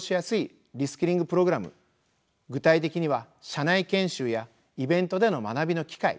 具体的には社内研修やイベントでの学びの機会